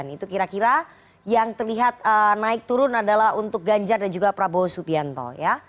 itu kira kira yang terlihat naik turun adalah untuk ganjar dan juga prabowo subianto ya